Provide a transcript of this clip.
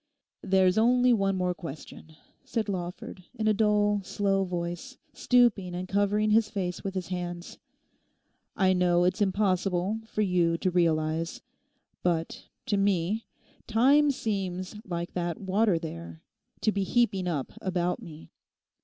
'There's only one more question,' said Lawford in a dull, slow voice, stooping and covering his face with his hands. 'I know it's impossible for you to realise—but to me time seems like that water there, to be heaping up about me.